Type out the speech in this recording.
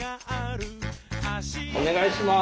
お願いします。